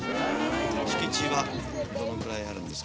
敷地はどのくらいあるんですか？